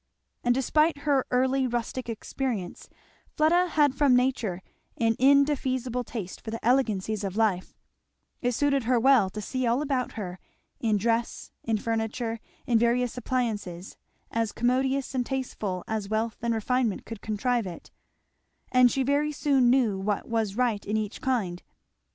And despite her early rustic experience Fleda had from nature an indefeasible taste for the elegancies of life; it suited her well to see all about her, in dress, in furniture, in various appliances, as commodious and tasteful as wealth and refinement could contrive it; and she very soon knew what was right in each kind.